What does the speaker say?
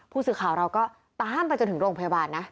ผู้สื่อข่าวเราก็ตามไปจนถึงโรงพยาบาลนะ